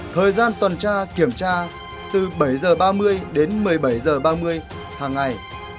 thời gian tuần tra kiểm tra từ bảy h ba mươi đến một mươi bảy h ba mươi hàng ngày